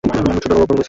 ছোট নবাব কেমন আছে?